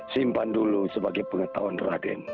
simpan dulu sebagai pengetahuan raden